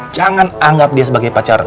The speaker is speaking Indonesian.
jangan anggap dia sebagai pacar